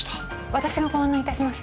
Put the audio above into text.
私がご案内いたします